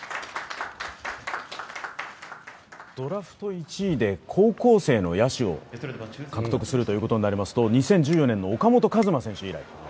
ドラフト１位で高校生の野手を獲得するということになりますと、２０１４年の岡本和真選手以来。